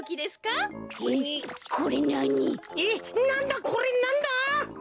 なんだこれなんだ？